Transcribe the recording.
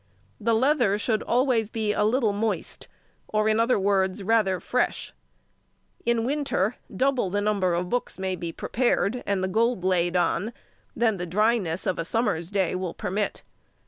The leather should always be a little moist, or, in other words, rather fresh. In winter double the number of books may be prepared, and the gold laid on, than the dryness of a summer's day will permit.